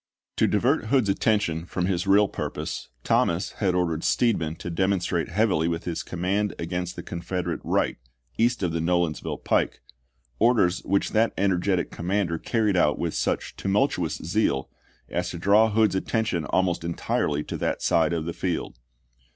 To divert Hood's attention from his real purpose, Thomas had ordered Steedman to demon 30 ABKAHAM LINCOLN chap. i. strate heavily with his command against the Con Dec. 15,1864. federate right, east of the Nolens ville pike, orders which that energetic commander carried out with such tumultuous zeal as to draw Hood's attention almost entirely to that side of the field.